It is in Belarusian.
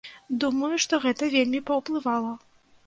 Думаю, што гэта вельмі паўплывала.